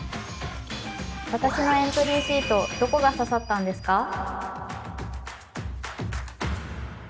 私のエントリーシートどこがささったんですか？